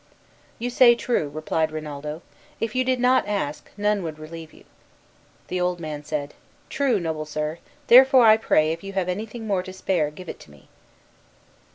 "You say true," replied Rinaldo, "if you did not ask, none would relieve you." The old man said, "True, noble sir, therefore I pray if you have anything more to spare, give it me."